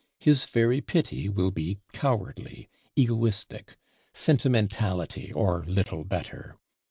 His very pity will be cowardly, egoistic, sentimentality, or little better.